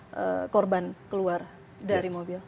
bagaimana korban keluar dari mobil